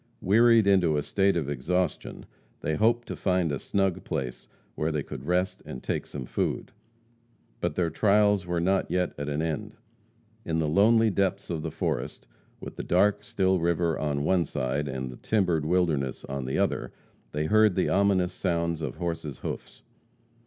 Wearied into a state of exhaustion, they hoped to find a snug place where they could rest and take some food. But their trials were not yet at an end. In the lonely depths of the forest, with the dark, still river on one side, and the timbered wilderness on the other, they heard the ominous sounds of horses' hoofs.